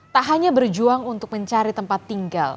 tak hanya berjuang untuk mencari tempat tinggal